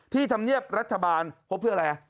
ที่ทำเงียบรัฐบาลพบเพื่ออะไร